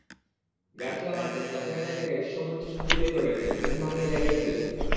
Garcia Marquez Latin আমেরিকাকে বিশ্বমঞ্চে শুধু তুলেই ধরেননি, ঘুম ভাঙিয়ে জাগিয়ে তুলেছেন।